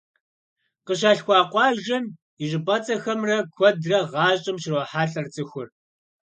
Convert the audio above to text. Къыщалъхуа къуажэм и щӀыпӀэцӀэхэми куэдрэ гъащӀэм щрохьэлӀэ цӀыхур.